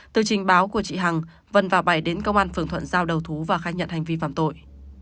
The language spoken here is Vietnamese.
từ trình báo của chị hằng vân và bảy đến công an phường thuận giao đầu thú và khai nhận hành vi phạm tội